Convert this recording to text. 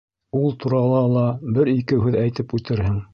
— Ул турала ла бер-ике һүҙ әйтеп үтерһең.